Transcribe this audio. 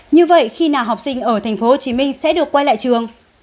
như vậy khi nào học sinh ở tp hcm sẽ được quay lại trường